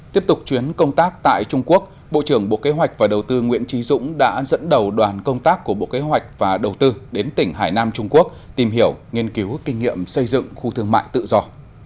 tiếp tục chuyến công tác tại trung quốc bộ trưởng bộ kế hoạch và đầu tư nguyễn trí dũng đã dẫn đầu đoàn công tác của bộ kế hoạch và đầu tư đến tỉnh hải nam trung quốc tìm hiểu nghiên cứu kinh nghiệm xây dựng khu thương mại tự do